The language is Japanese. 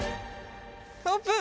オープン！